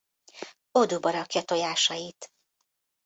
Odúba rakja tojásait.